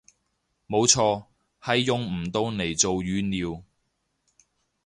冇錯，係用唔到嚟做語料